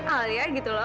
ah ya gitu loh